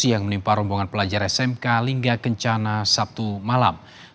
yang menimpa rombongan pelajar smk lingga kencana sabtu malam